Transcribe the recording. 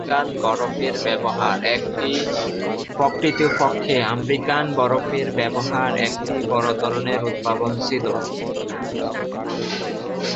প্রকৃতপক্ষে আমেরিকান বরফের ব্যবহার একটি বড় ধরনের উদ্ভাবন ছিল।